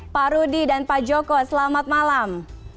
pak rudi dan pak joko selamat malam